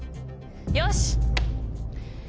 よし！